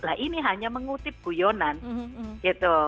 lah ini hanya mengutip guyonan gitu